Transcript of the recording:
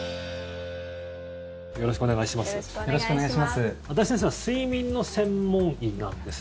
よろしくお願いします。